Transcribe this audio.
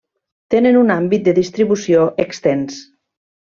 Tenen un àmbit de distribució extens.